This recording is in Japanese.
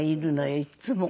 いっつも。